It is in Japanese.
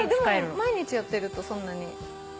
でも毎日やってるとそんなに。